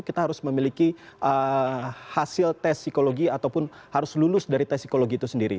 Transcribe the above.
kita harus memiliki hasil tes psikologi ataupun harus lulus dari tes psikologi itu sendiri